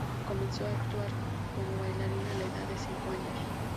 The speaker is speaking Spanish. Comenzó a actuar como bailarín a la edad de cinco años.